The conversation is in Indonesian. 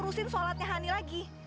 udah urusin sholatnya ani lagi